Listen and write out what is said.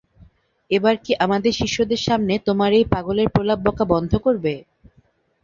এবার কি আমার শিষ্যদের সামনে তোমার এই পাগলের প্রলাপ বকা বন্ধ করবে?